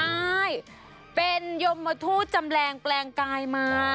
ใช่เป็นยมทูตจำแรงแปลงกายมา